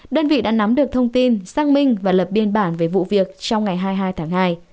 đơn vị đã nắm được thông tin xác minh và lập biên bản về vụ việc trong ngày hai mươi hai tháng hai